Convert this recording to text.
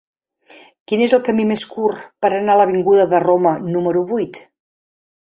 Quin és el camí més curt per anar a l'avinguda de Roma número vuit?